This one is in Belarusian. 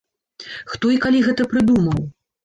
Хто і калі гэта прыдумаў?